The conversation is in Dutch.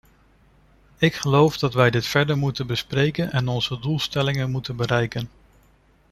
Ik geloof dat we dit verder moeten bespreken en onze doelstelling moeten bereiken.